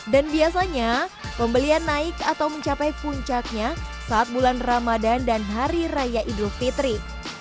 dan biasanya pembelian naik atau mencapai puncaknya saat bulan ramadhan dan hari raya idul fitri